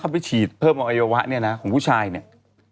อวัยวะเนี่ยนะของผู้ชายเนี่ย